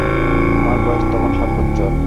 উমার বয়স তখন সাত বৎসর।